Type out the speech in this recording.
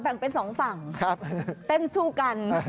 เป็นสองฝั่งเต้นสู้กัน